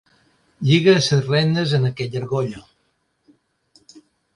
Lliga les regnes en aquella argolla.